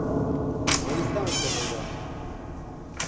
ہم تاں چلاں گا‘‘